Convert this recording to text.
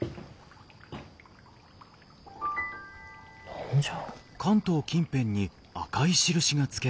何じゃ？